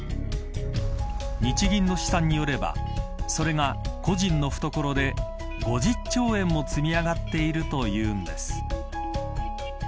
日銀の試算によればそれが個人の懐で５０兆円も積み上がっているというんです。